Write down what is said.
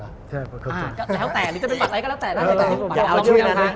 นี่แหละแต่นี่จะเป็นบัตรอะไรแหละแต่นั้น